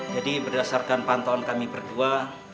jadi berdasarkan pantauan kami berdua